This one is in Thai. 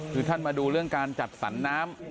คือท่านมาดูเรื่องการจัดสรรน้ำ